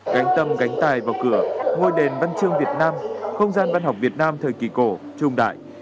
cánh tâm gánh tài vào cửa ngôi đền văn chương việt nam không gian văn học việt nam thời kỳ cổ trung đại